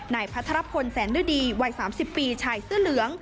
พัทรพลแสนฤดีวัย๓๐ปีชายเสื้อเหลือง